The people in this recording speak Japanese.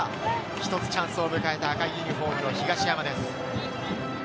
一つチャンスを迎えた赤いユニホームの東山です。